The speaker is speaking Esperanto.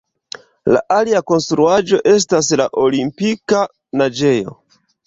La alia konstruaĵo estas la Olimpika naĝejo.